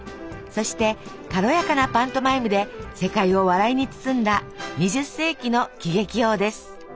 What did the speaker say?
そして軽やかなパントマイムで世界を笑いに包んだ２０世紀の喜劇王です。